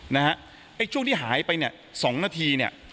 ไอ้ช่วงที่หายไปเนี่ย๒นาทีเนี่ย